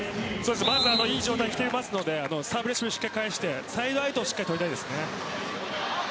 いい状態できているのでサーブレシーブをしっかり返してサイドアウトをしっかり取りたいです。